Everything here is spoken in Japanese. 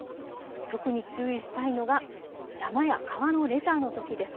特に注意したいのが山や川のレジャーのときです。